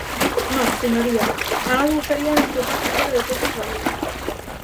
Non, señoría, a nós gustaríanos que o pazo fora de todos os galegos.